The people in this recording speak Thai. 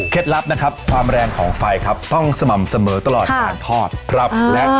เคล็ดลับนะครับความแรงของไฟครับ